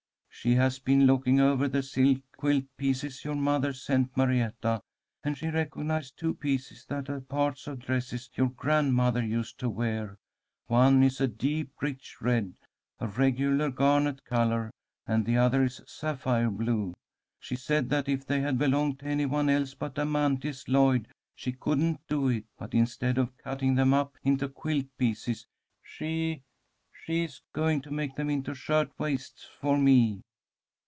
She has been looking over the silk quilt pieces your mother sent Marietta, and she recognized two pieces that are parts of dresses your grandmother used to wear. One is a deep rich red, a regular garnet colour, and the other is sapphire blue. She said that if they had belonged to any one else but Amanthis Lloyd she couldn't do it, but instead of cutting them up into quilt pieces she she is going to make them into shirt waists for me."